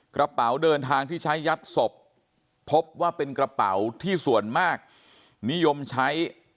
กระเป๋าเดินทางที่ใช้ยัดศพพบว่าเป็นกระเป๋าที่ส่วนมากนิยมใช้